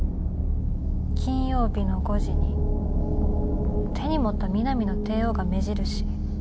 金曜日の５時に手に持った『ミナミの帝王』が目印？